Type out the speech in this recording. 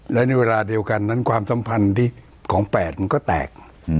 และในเวลาเดียวกันนั้นความสัมพันธ์ของ๘มันก็แตก